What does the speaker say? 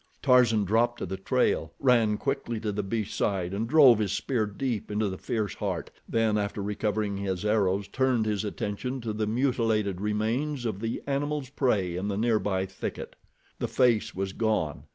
Tarzan dropped to the trail, ran quickly to the beast's side, and drove his spear deep into the fierce heart, then after recovering his arrows turned his attention to the mutilated remains of the animal's prey in the nearby thicket. The face was gone.